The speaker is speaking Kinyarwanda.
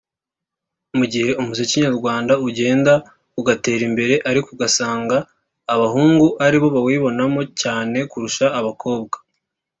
Mu gihe umuziki nyarwanda ugenda utera imbere ariko ugasanga abahungu ni bo bawibonamo cyane kurusha abakobwa